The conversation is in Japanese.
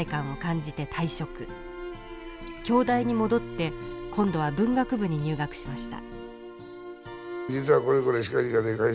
京大に戻って今度は文学部に入学しました。